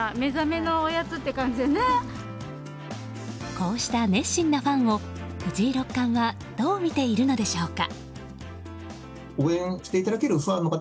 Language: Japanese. こうした熱心なファンを藤井六冠はどう見ているのでしょうか。